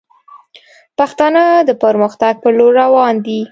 پښتانه د پرمختګ پر لور روان دي